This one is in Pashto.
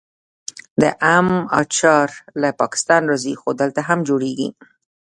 د ام اچار له پاکستان راځي خو دلته هم جوړیږي.